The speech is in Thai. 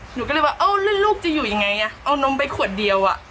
หนูก็เลยว่าเอ้าลูกจะอยู่ยังไงเอานมไปขวดเดียว